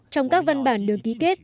trong các văn bản được ký kết